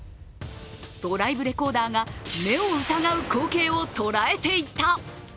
ドライブレコーダーが目を疑う光景を捉えていた。